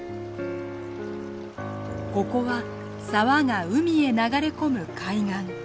ここは沢が海へ流れ込む海岸。